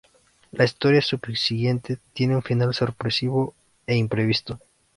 La historia subsiguiente tiene un final sorpresivo e imprevisto.